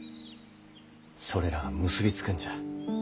それらが結び付くんじゃ。